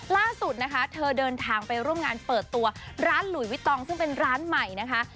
ล่าสุดนะคะเธอเดินทางไปร่วมงานเปิดตัวร้านหลุยวิตองซึ่งเป็นร้านใหม่นะคะ